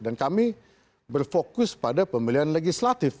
dan kami berfokus pada pemilihan legislatif